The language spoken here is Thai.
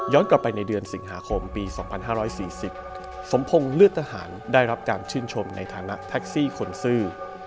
ย้อนกลับไปในเดือนสิงหาคมปีสองพันห้าร้อยสี่สิบสมพงศ์เลือดทหารได้รับการชื่นชมในฐานะแท็กซี่ขนซื้อ